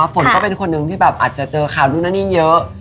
ฝนก็เป็นคนนึงที่เจอข่าวรู้ในนี่เยอะ